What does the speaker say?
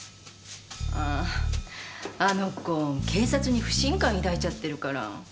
あぁあの子警察に不信感抱いちゃってるから。